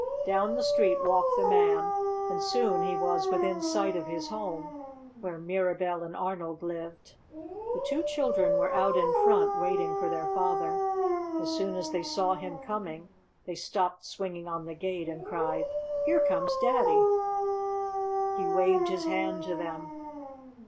Down the street walked the Man, and soon he was within sight of his home, where Mirabell and Arnold lived. The two children were out in front, waiting for their father. As soon as they saw him coming they stopped swinging on the gate and cried: "Here comes Daddy!" He waved his hand to them.